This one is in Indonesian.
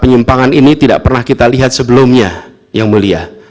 penyimpangan ini tidak pernah kita lihat sebelumnya yang mulia